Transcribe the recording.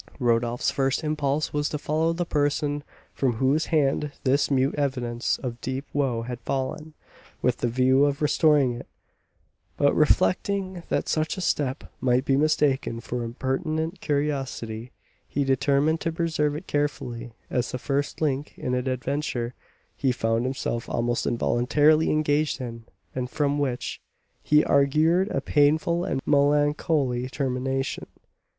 Rodolph's first impulse was to follow the person from whose hand this mute evidence of deep woe had fallen, with the view of restoring it, but, reflecting that such a step might be mistaken for impertinent curiosity, he determined to preserve it carefully, as the first link in an adventure he found himself almost involuntarily engaged in, and from which he augured a painful and melancholy termination.